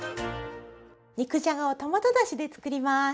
肉じゃがをトマトだしで作ります。